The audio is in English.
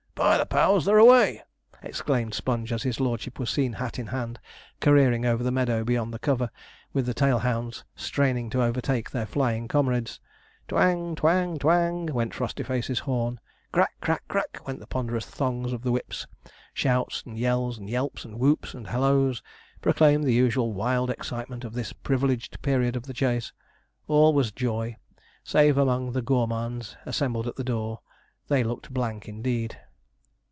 'By the powers, they're away!' exclaimed Sponge, as his lordship was seen hat in hand careering over the meadow, beyond the cover, with the tail hounds straining to overtake their flying comrades. Twang twang twang went Frostyface's horn; crack crack crack went the ponderous thongs of the whips; shouts, and yells, and yelps, and whoops, and halloas, proclaimed the usual wild excitement of this privileged period of the chase. All was joy save among the gourmands assembled at the door they looked blank indeed.